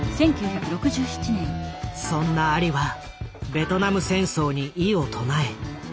そんなアリはベトナム戦争に異を唱え徴兵を拒否。